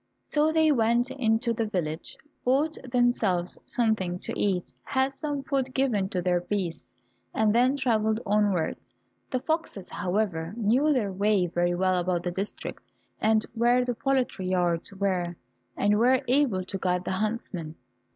So they went into the village, bought themselves something to eat, had some food given to their beasts, and then travelled onwards. The foxes, however, knew their way very well about the district and where the poultry yards were, and were able to guide the huntsmen.